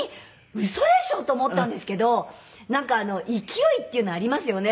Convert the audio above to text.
嘘でしょと思ったんですけどなんか勢いっていうのありますよね。